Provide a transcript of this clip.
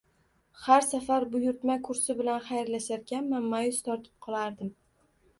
Har safar buyurtma kursi bilan xayrlasharkanman, ma`yus tortib qolardim